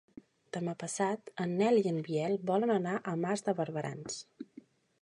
Demà passat en Nel i en Biel volen anar a Mas de Barberans.